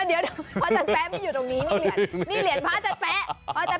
เฮ้ยเฦียรพระหรือเหรียญพระอาจารย์แป๊